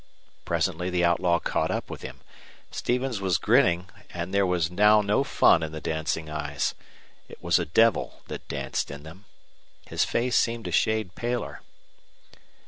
Presently the outlaw caught up with him. Stevens was grinning, but there was now no fun in the dancing eyes. It was a devil that danced in them. His face seemed a shade paler.